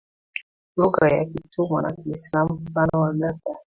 lugha ya kitumwa na kiislamu mfano waganda